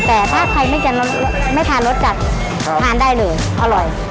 แต่ถ้าใครไม่ทานรสจัดทานได้เลยอร่อย